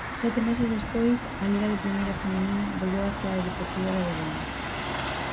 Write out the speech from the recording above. Sete meses despois, a Liga de primeira feminina volveu á Cidade Deportiva de Abegondo.